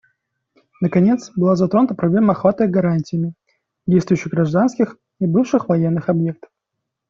Наконец, была затронута проблема охвата гарантиями действующих гражданских и бывших военных объектов.